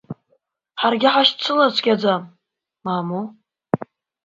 Ҳаргьы ҳашьцылар цәгьаӡам, мамоу…